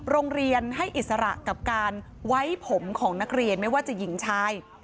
โรงเรียนให้อิสระกับการไว้ผมของนักเรียนไม่ว่าจะหญิงชาย